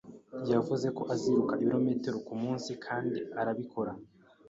Yavuze ko aziruka ibirometero kumunsi kandi arabikora.